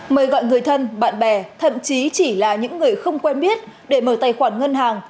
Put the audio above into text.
mời gọi người thân bạn bè thậm chí chỉ là những người không quen biết để mở tài khoản ngân hàng